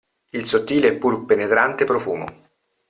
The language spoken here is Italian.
Il sottile e pur penetrante profumo.